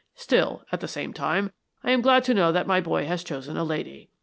Still, at the same time, I am glad to know that my boy has chosen a lady.